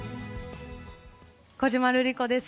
小島瑠璃子です。